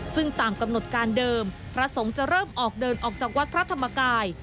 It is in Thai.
ซึ่งตามกำหนดการเดิมพระสงฆ์จะเริ่มออกเดินออกจากวัดพระธรรมกาย